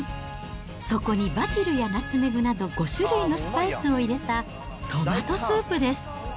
そこにバジルやナツメグなど５種類のスパイスを入れた、トマトスープです。